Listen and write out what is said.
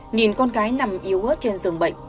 nhìn con cái nằm yếu ớt trên giường bệnh